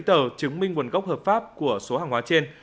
tờ chứng minh nguồn gốc hợp pháp của số hàng hóa trên